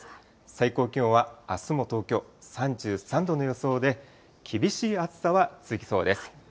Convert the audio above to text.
最高気温はあすも東京、３３度の予想で、厳しい暑さは続きそうです。